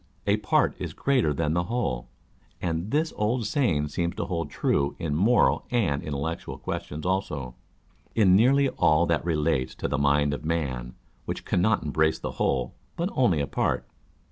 A part is greater titan the whole : and this old saying seems to hold true in moral and intellectual questions also â€" in nearly all that relates to the mind of man, which cannot embrace the whole, but only a part.